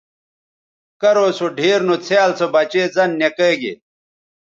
کرو سو ڈِھیر نو څھیال سو بچے زَن نِکئے گے